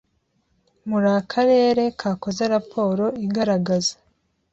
Muri Akarere kakoze raporo igaragaza